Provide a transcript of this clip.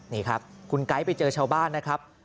นี่ครับคุณไก๊ไปเจอชาวบ้านนะครับ